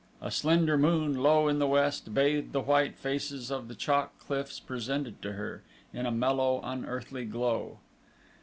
A slender moon, low in the west, bathed the white faces of the chalk cliffs presented to her, in a mellow, unearthly glow.